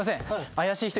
怪しい人。